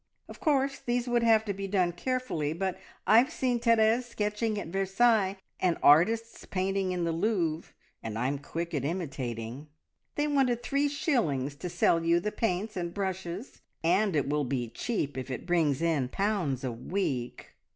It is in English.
Of course, these would have to be done carefully, but I've seen Therese sketching at Versailles, and artists painting in the Louvre, and I'm quick at imitating. They wanted three shillings to sell you the paints and brushes, and it will be cheap if it brings in pounds a week.